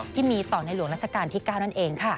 ที่มีต่อในหลวงราชการที่๙นั่นเองค่ะ